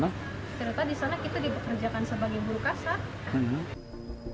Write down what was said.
ternyata disana kita diperkerjakan sebagai buruh kasar